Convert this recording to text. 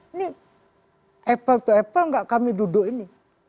ini apple to apple nggak kami duduk ini